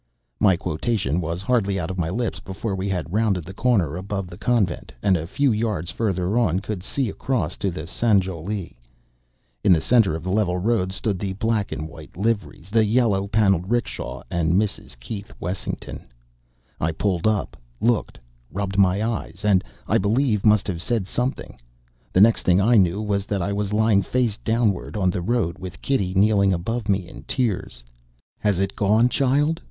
'" My quotation was hardly out of my lips before we had rounded the corner above the Convent; and a few yards further on could see across to Sanjowlie. In the centre of the level road stood the black and white liveries, the yellow paneled 'rickshaw, and Mrs. Keith Wessington. I pulled up, looked, rubbed my eyes, and, I believe must have said something. The next thing I knew was that I was lying face downward on the road with Kitty kneeling above me in tears. "Has it gone, child!"